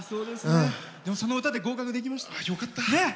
でも、その歌で合格できました。